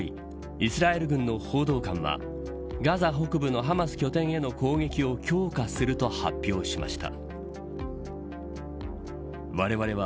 イスラエル軍の報道官はガザ北部のハマス拠点への攻撃を強化すると発表しました。